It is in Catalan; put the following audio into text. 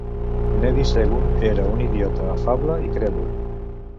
Neddie Seagoon era un idiota afable i crèdul.